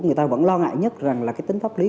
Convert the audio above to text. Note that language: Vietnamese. người ta vẫn lo ngại nhất rằng là cái tính pháp lý